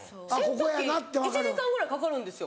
いや洗濯機１時間ぐらいかかるんですよ。